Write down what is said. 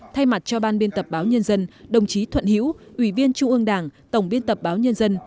thay mặt cho ban biên tập báo nhân dân đồng chí thuận hiễu ủy viên trung ương đảng tổng biên tập báo nhân dân